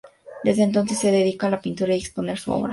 Desde entonces, se dedica a la pintura y a exponer su obra.